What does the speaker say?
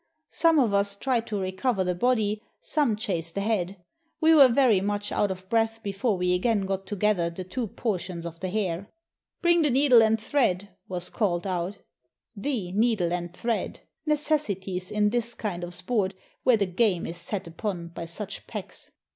Some of us tried to recover the body, some chased the head. We were very much out of breath before we again got together the two portions of the hare. "Bring the needle and thread!" was called out — the needle and thread ! necessities in this kind of sport where the game is set upon by such packs.